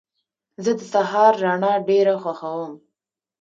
زه د سهار رڼا ډېره خوښوم.